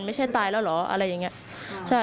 ไม่ใช่ตายแล้วเหรออะไรอย่างนี้